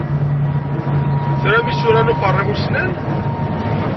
Tram isura n uferriɣ ussnan?